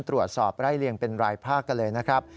ตรวจสอบไล่เลี่ยงเป็นรายภาคกันเลยนะครับ